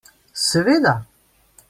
Seveda.